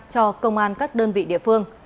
cho công an các đơn vị địa phương